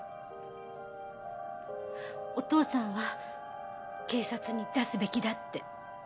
お父さんは警察に出すべきだって。